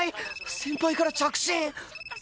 先輩から着信！